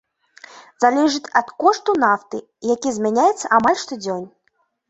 Залежыць ад кошту нафты, які змяняецца амаль штодзень.